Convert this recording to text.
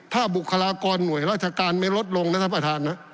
ถ้าบุคลากรหน่วยราชการไม่ลดลงนะครับท่านประธาน